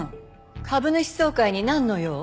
株主総会になんの用？